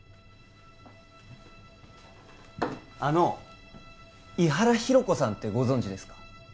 あの井原宏子さんってご存じですか？